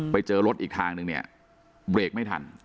ไปเจอรถอีกทางนึงเนี่ยเบรกไม่ทัน